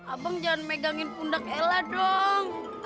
abang jangan megangin pundak ella dong